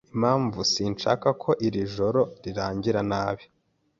'Impamvu sinshaka ko iri joro rirangira nabi